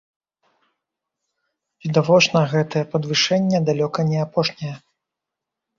Відавочна, гэтае падвышэнне далёка не апошняе.